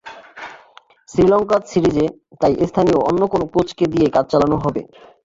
শ্রীলঙ্কা সিরিজে তাই স্থানীয় অন্য কোনো কোচকে দিয়ে কাজ চালানো হবে।